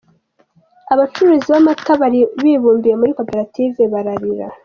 Abacuruzi b’amata bari bibumbiye muri Koperative bararira.